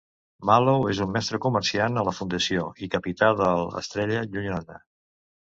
Mallow és un mestre comerciant a la Fundació i capità del "Estrella Llunyana".